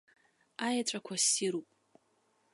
Аеҵәақәа ссируп.